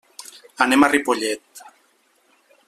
Anem a Ripollet.